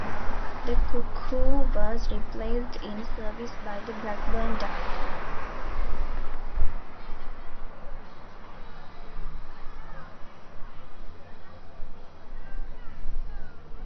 The Cuckoo was replaced in service by the Blackburn Dart.